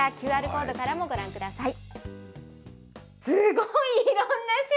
ＱＲコードからもご覧ください。